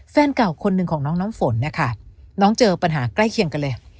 แฟนเก่าคนหนึ่งของน้องน้ำฝนนะคะน้องเจอปัญหาใกล้เคียงกันเลย